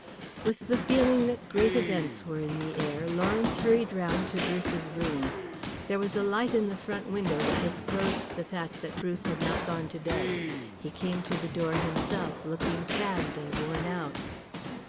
With the feeling that great events were in the air, Lawrence hurried round to Bruce's rooms. There was a light in the front window that disclosed the fact that Bruce had not gone to bed. He came to the door himself, looking fagged and worn out.